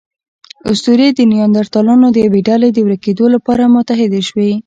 اسطورې د نیاندرتالانو د یوې ډلې د ورکېدو لپاره متحدې شوې.